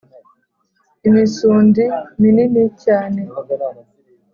imisundi minini cyane